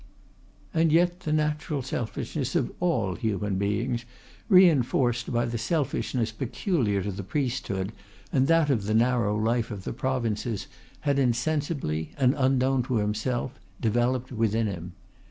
And yet, the natural selfishness of all human beings, reinforced by the selfishness peculiar to the priesthood and that of the narrow life of the provinces had insensibly, and unknown to himself, developed within him.